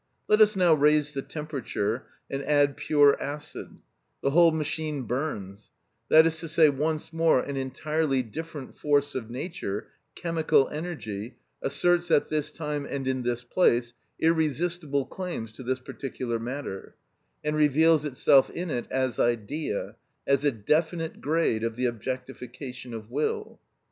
Let us now raise the temperature and add pure acid; the whole machine burns; that is to say, once more an entirely different force of nature, chemical energy, asserts at this time and in this place irresistible claims to this particular matter, and reveals itself in it as Idea, as a definite grade of the objectification of will.